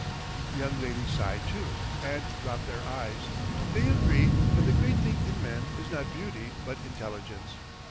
The young ladies sigh, too, and drop their eyes ... they agree that the great thing in men is not beauty but intelligence.